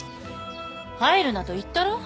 入るなと言ったろ。